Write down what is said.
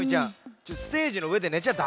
ちょっとステージのうえでねちゃダメだって。